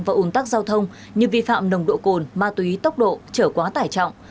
và ủn tắc giao thông như vi phạm nồng độ cồn ma túy tốc độ trở quá tải trọng